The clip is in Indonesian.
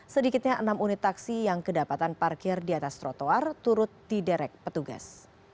sedikitnya enam unit taksi yang kedapatan parkir di atas trotoar turut diderek petugas